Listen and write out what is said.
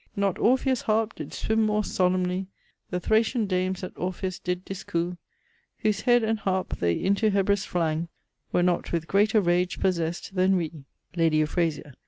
'Not Orpheus' harp did swimme more solempnely! The Thracian dames that Orpheus did discoup, Whose head and harpe they into Hebrus flang, Were not with greater rage possest, then we!' _Lady Euphrasia.